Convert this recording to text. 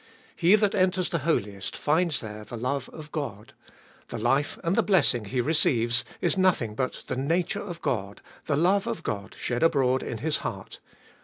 He that enters the Holiest finds there the God of love. The life and the blessing he receives is nothing but the nature of God, the love of God shed abroad in his heart.